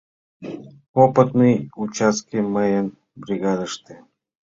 Опытный участке мыйын бригадыште.